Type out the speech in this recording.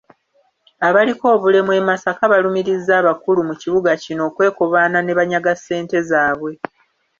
Abaliko obulemu e Masaka balumirizza abakulu mu kibuga kino okwekobaana ne banyaga ssente zaabwe